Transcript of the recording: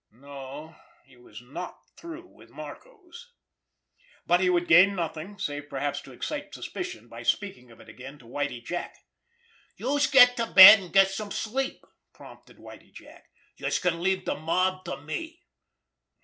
No, he was not through with Marco's! But he would gain nothing, save perhaps to excite suspicion, by speaking of it again to Whitie Jack. "Youse get to bed, an' get some sleep!" prompted Whitie Jack. "Youse can leave de mob to me."